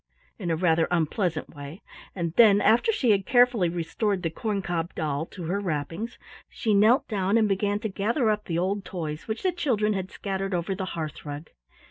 in a rather unpleasant way, and then, after she had carefully restored the corn cob doll to her wrappings, she knelt down and began to gather up the old toys which the children had scattered over the hearth rug.